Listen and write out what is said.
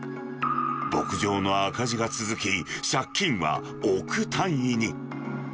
牧場の赤字が続き、借金は億単位に。